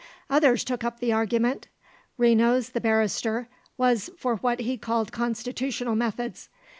Others took up the argument. Renos, the barrister, was for what he called constitutional methods.